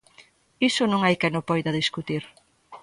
Iso non hai quen o poida discutir.